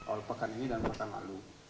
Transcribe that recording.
awal pekan ini dan pekan lalu